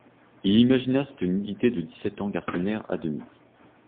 Il imagina cette nudité de dix-sept ans garçonnière à demi.